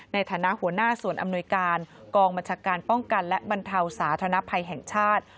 ในฐานะหัวหน้าส่วนอำนวยการกองบัญชาการป้องกันและบรรเทาสาธารณภัยแห่งชาติ